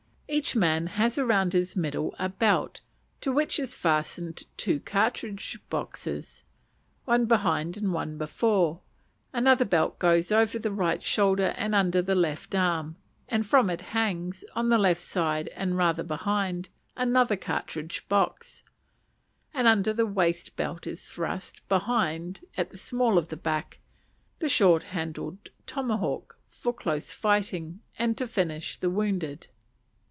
Each man has round his middle a belt, to which is fastened two cartridge boxes, one behind and one before; another belt goes over the right shoulder and under the left arm, and from it hangs, on the left side and rather behind, another cartridge box, and under the waist belt is thrust, behind, at the small of the back, the short handled tomahawk for close fight and to finish the wounded.